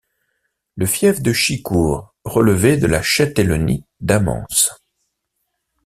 Le fief de Chicourt relevait de la châtellenie d'Amance.